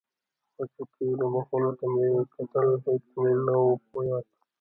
خو چې تېرو مخونو ته مې کتل هېڅ مې نه و په ياد.